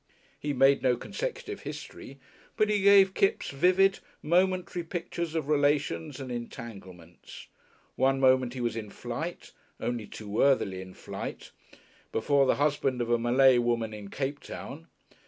He made no consecutive history, but he gave Kipps vivid, momentary pictures of relations and entanglements. One moment he was in flight only too worthily in flight before the husband of a Malay woman in Cape Town.